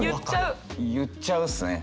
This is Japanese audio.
もう言っちゃうっすね。